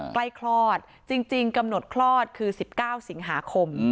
คลอดจริงกำหนดคลอดคือ๑๙สิงหาคม